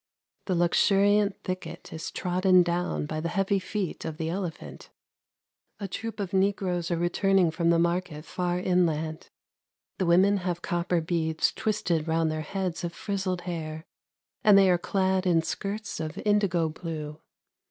The luxuriant thicket is trodden down by the heavy feet of the elephant; a troop of negroes are returning from the market far inland. The women have copper beads twisted round their heads of frizzled hair, and they are clad in skirts of indigo blue.